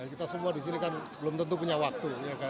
kita semua disini kan belum tentu punya waktu